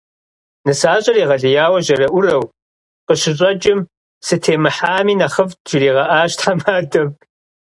Нысащӏэр егъэлеяуэ жьэрэӏурэу къыщыщӏэкӏым, «сытемыхьами нэхъыфӏт» жригъэӏащ тхьэмадэм.